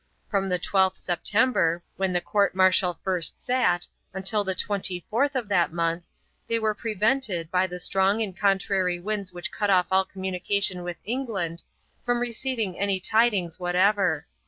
From the 12th September, when the court martial first sat, till the 24th of that month, they were prevented, by the strong and contrary winds which cut off all communication with England, from receiving any tidings whatever.